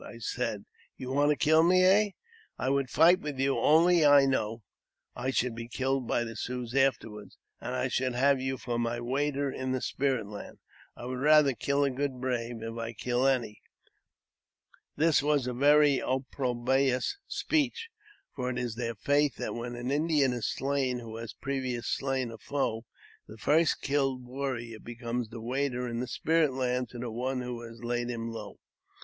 I said, "You want to kill me, eh? I would fight with you, only I know I should be killed by the Siouxs afterward, and I should have you for my waiter in the spirit land. I would rather kill a good brave, if I kill any." This was a very opprobrious speech, for it is their faith that when an Indian is slain who has previously slain a foe, the first killed warrior becomes waiter in the spirit land to the one who had laid him low.